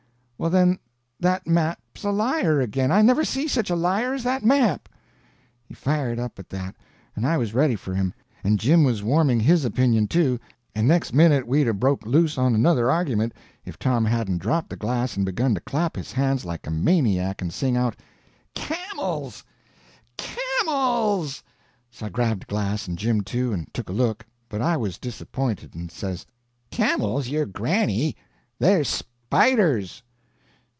"Well, then, that map's a liar again. I never see such a liar as that map." He fired up at that, and I was ready for him, and Jim was warming his opinion, too, and next minute we'd 'a' broke loose on another argument, if Tom hadn't dropped the glass and begun to clap his hands like a maniac and sing out: "Camels!—Camels!" So I grabbed a glass and Jim, too, and took a look, but I was disappointed, and says: "Camels your granny; they're spiders."